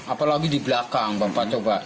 apalagi di belakang bapak